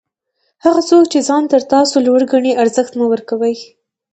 هغه څوک چي ځان تر تاسي لوړ ګڼي؛ ارزښت مه ورکوئ!